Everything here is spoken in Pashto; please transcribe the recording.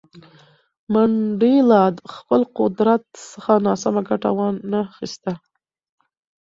منډېلا له خپل قدرت څخه ناسمه ګټه ونه خیسته.